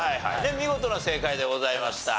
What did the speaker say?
見事な正解でございました。